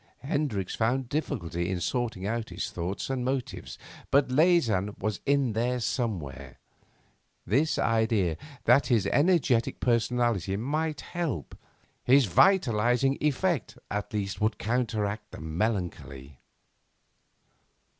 Hendricks found difficulty in sorting out his thoughts and motives, but Leysin was in them somewhere this idea that his energetic personality might help. His vitalising effect, at least, would counteract the melancholy.